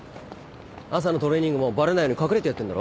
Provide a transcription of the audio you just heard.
朝のトレーニングもバレないように隠れてやってんだろ？